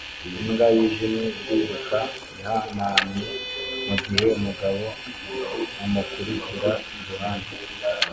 Imbwa yijimye iriruka ihanamye mugihe umugabo amukurikira iruhande